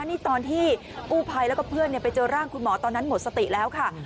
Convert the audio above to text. นี่ตอนที่กู้ภัยแล้วก็เพื่อนไปเจอร่างคุณหมอตอนนั้นหมดสติแล้วค่ะ